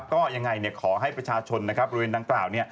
ก็อย่างไรขอให้ประชาชนบริเวณดังกล่าว